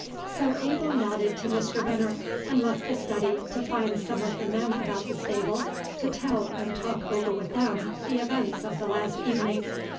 So Abel nodded to Mr. Veneer, and left the study to find some of the men about the stable to tell and talk over with them the events of the last evening.